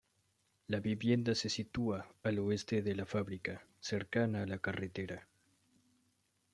La vivienda se sitúa al oeste de la fábrica, cercana a la carretera.